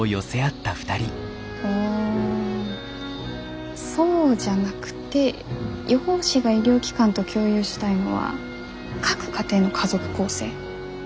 あそうじゃなくて予報士が医療機関と共有したいのは各家庭の家族構成。